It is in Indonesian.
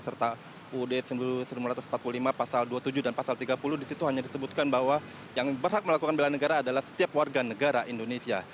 serta uud seribu sembilan ratus empat puluh lima pasal dua puluh tujuh dan pasal tiga puluh disitu hanya disebutkan bahwa yang berhak melakukan bela negara adalah setiap warga negara indonesia